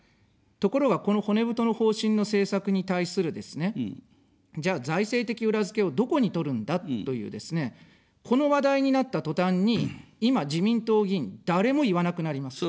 ところが、この骨太の方針の政策に対するですね、じゃあ、財政的裏付けをどこに取るんだというですね、この話題になったとたんに、今、自民党議員、誰も言わなくなります。